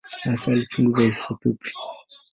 Hasa alichunguza isotopi.